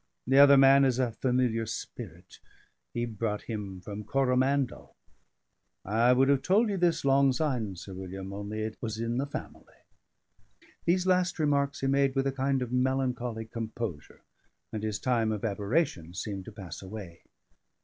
The other man is a familiar spirit; he brought him from Coromandel. I would have told ye this long syne, Sir William, only it was in the family." These last remarks he made with a kind of melancholy composure, and his time of aberration seemed to pass away.